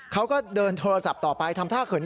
เขาก็เดินโทรศัพท์ต่อไปทำท่าเขิน